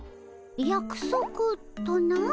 やくそくとな？